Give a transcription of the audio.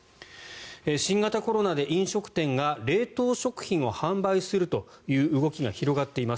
新型コロナで飲食店が冷凍食品を販売するという動きが広がっています。